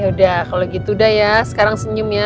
yaudah kalau gitu dah ya sekarang senyum ya